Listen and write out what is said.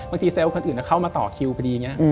บางทีเซลล์คนอื่นเข้ามาต่อคิวไปดีอย่างเงี้ย